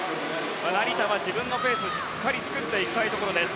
成田は自分のペースをしっかり作っていきたいところです。